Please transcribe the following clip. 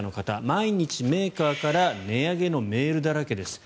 毎日、メーカーから値上げのメールだらけです。